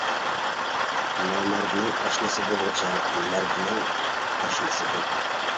نامەردنىڭ ئاشنىسى بولغۇچە، مەردنىڭ پاشنىسى بول!